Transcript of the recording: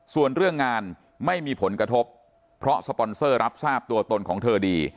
ส่วนเรื่องงานไม่มีผลกระทบเพราะสปอนเซอร์รับทราบตัวตนของเธอดี